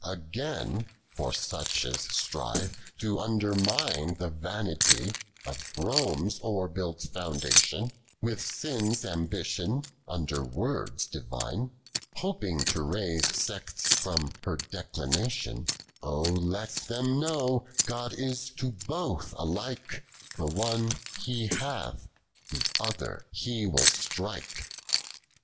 93. Again, for such as strive to undennine, The vanity of Home's ore built foundation OK IlKl.KilOX. 271 AVith sin's ambition, uiukr words divine, Hoping to raise sects from her declination ; let them know, (iod is to both alike, The one He hath, the other He will fetiike, 91.